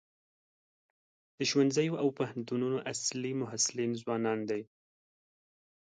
د ښوونځیو او پوهنتونونو اصلي محصلین ځوانان دي.